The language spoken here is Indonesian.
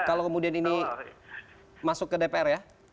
kalau kemudian ini masuk ke dpr ya